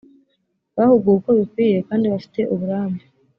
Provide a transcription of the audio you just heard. bahuguwe uko bikwiye kandi bafite uburambe